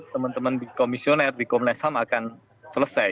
teman teman di komisioner di komnas ham akan selesai